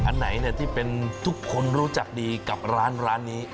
อันไหนที่เป็นทุกคนรู้จักดีกับร้านนี้